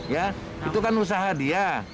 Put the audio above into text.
ya itu kan usaha dia